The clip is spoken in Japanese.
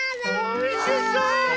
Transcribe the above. おいしそう！